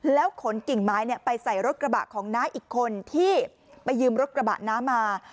แล้วขนกิ่งไม้ไปใส่รถกระบะของน้าอีกคนที่ไปยืมรถกระบะน้ามา